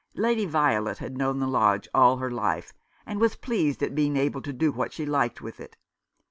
Lady Violet had known the lodge all her life, and was pleased at being able to do what she liked with it.